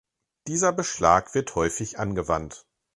Dieser Beschlag wird häufig angewandt.